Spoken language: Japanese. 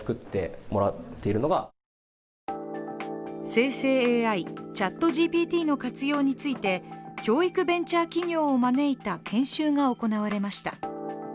生成ＡＩ、ＣｈａｔＧＰＴの活用について教育ベンチャー企業を招いた研修が行われました。